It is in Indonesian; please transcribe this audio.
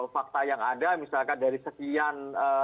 fakta yang ada misalkan dari sekian